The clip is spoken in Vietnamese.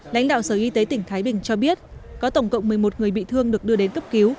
lãnh đạo sở y tế tỉnh thái bình cho biết có tổng cộng một mươi một người bị thương được đưa đến cấp cứu